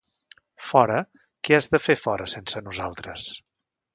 Fora... què has de fer fora sense nosaltres?